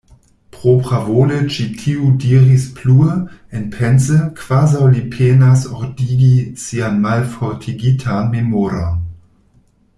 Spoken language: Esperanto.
Propravole ĉi tiu diris plue, enpense, kvazaŭ li penas ordigi sian malfortigitan memoron: